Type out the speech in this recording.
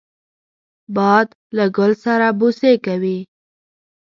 باد له ګل سره بوسې کوي